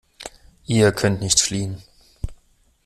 Ihr könnt nicht fliehen.